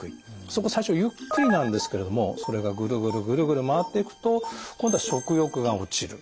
そこ最初ゆっくりなんですけれどもそれがぐるぐるぐるぐる回っていくと今度は食欲が落ちる。